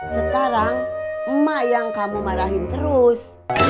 sekarang emak yang kamu marahin terus